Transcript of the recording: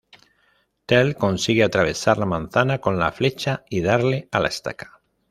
Tell consigue atravesar la manzana con la flecha y darle a la estaca.